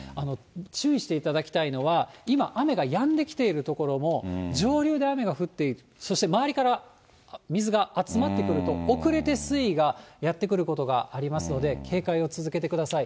注意していただきたいのは、今、雨がやんできている所も、上流で雨が降って、そして周りから水が集まってくると、遅れて水位がやって来ることがありますので、警戒を続けてください。